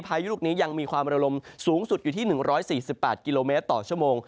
พายุลูกนี้ยังมีความระลมสูงสุดอยู่ที่๑๔๘กิโลเมตรต่อชั่วโมง